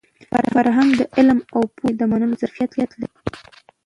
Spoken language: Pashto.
فرهنګ د علم او پوهې د منلو ظرفیت لري.